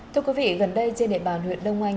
thưa quý vị gần đây trên địa bàn huyện đông anh